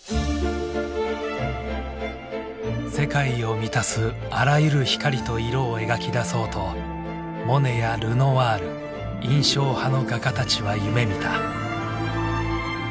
世界を満たすあらゆる光と色を描き出そうとモネやルノワール印象派の画家たちは夢みた。